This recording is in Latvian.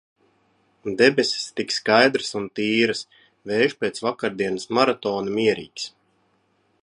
Debesis tik skaidras un tīras, vējš pēc vakardienas maratona mierīgs.